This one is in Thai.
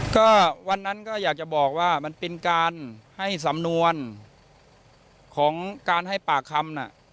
ก็วันนั้นก็อยากจะบอกว่ามันเป็นการให้สำนวนของการให้ปากคำน่ะ